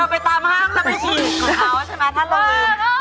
ไปตามห้างแล้วไปฉีดของเขาใช่ไหมถ้าลง